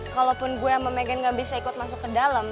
kalaupun gue memegang gak bisa ikut masuk ke dalam